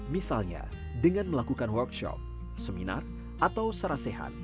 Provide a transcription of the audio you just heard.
misalnya dengan melakukan workshop seminar atau sarasehat